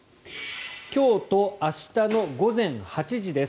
今日と明日の午前８時です。